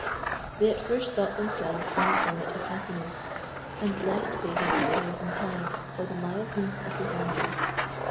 They at first thought themselves on the summit of happiness, and blessed Pagan a thousand times for the mildness of his anger.